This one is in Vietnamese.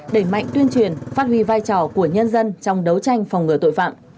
đẩy mạnh tuyên truyền phát huy vai trò của nhân dân trong đấu tranh phòng ngừa tội phạm